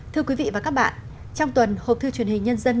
thưa quý vị và các bạn trong tuần hộp thư truyền hình nhân dân